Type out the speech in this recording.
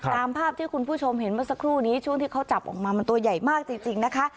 ตามภาพที่คุณผู้ชมเห็นเมื่อสักครู่นี้ช่วงที่เขาจับออกมามันตัวใหญ่มากจริงนะคะ